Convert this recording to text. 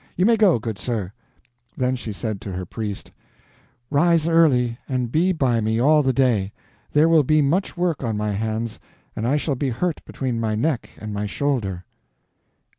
You may go, good sir." Then she said to her priest: "Rise early, and be by me all the day. There will be much work on my hands, and I shall be hurt between my neck and my shoulder."